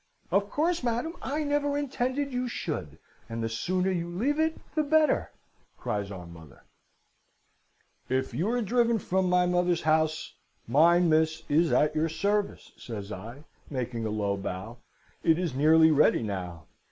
"'Of course, madam, I never intended you should; and the sooner you leave it the better,' cries our mother. "'If you are driven from my mother's house, mine, miss, is at your service,' says I, making her a low bow. 'It is nearly ready now.